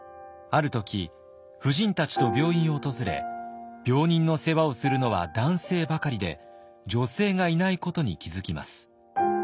ある時夫人たちと病院を訪れ病人の世話をするのは男性ばかりで女性がいないことに気付きます。